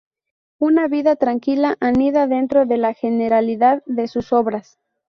Una vida tranquila anida dentro de la generalidad de sus obras.